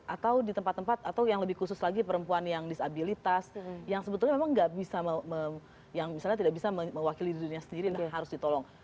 atau di tempat tempat atau yang lebih khusus lagi perempuan yang disabilitas yang sebetulnya memang yang misalnya tidak bisa mewakili dirinya sendiri dan harus ditolong